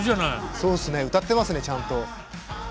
そうっすね歌ってますねちゃんと。